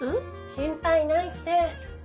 心配ないって。